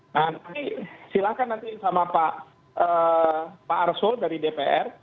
nah silahkan nanti sama pak arso dari dpr